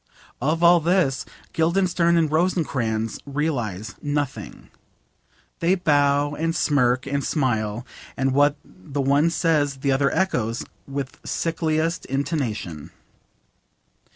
Of all this Guildenstern and Rosencrantz realise nothing. They bow and smirk and smile, and what the one says the other echoes with sickliest intonation.